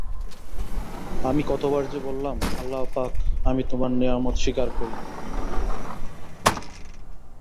আমি কত বার যে বললাম, আল্লাহপাক, আমি তোমার নেয়ামত স্বীকার করি।